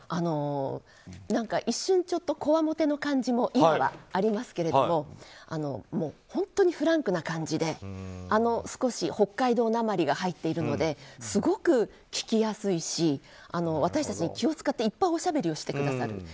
一瞬、こわもての感じも今はありますけど本当にフランクな感じで少し北海道なまりが入っているのですごく聞きやすいし私たちに気を使っていっぱいおしゃべりをしてくださる。